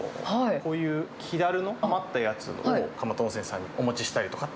こういう木だるの余ったやつを蒲田温泉さんにお持ちしたりとか。